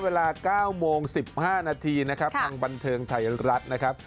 เวลา๙โมง๑๕นาทีนะครับทางบันเทิงไทยรัฐนะครับ